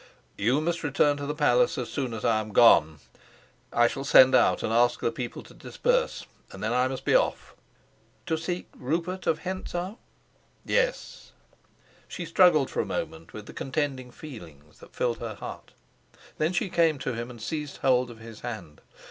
"You must return to the palace as soon as I am gone. I shall send out and ask the people to disperse, and then I must be off." "To seek Rupert of Hentzau?" "Yes." She struggled for a moment with the contending feelings that filled her heart. Then she came to him and seized hold of his hand.